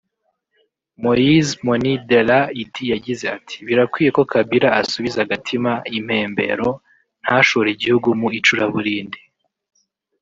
Moise Moni Della Idi yagize ati “Birakwiye ko Kabila asubiza agatima impembero ntashore igihugu mu icuraburindi